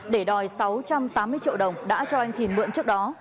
để đòi sáu trăm tám mươi triệu đồng đã cho anh thìn mượn trước đó